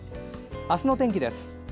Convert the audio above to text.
明日の天気です。